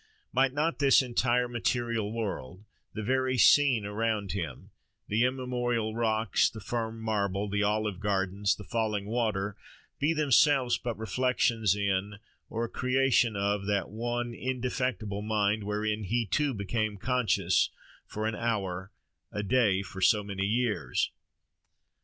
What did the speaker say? Might not this entire material world, the very scene around him, the immemorial rocks, the firm marble, the olive gardens, the falling water, be themselves but reflections in, or a creation of, that one indefectible mind, wherein he too became conscious, for an hour, a day, for so many years?